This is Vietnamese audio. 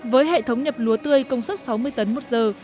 với hệ thống nhập lúa tươi công suất sáu mươi tấn một giờ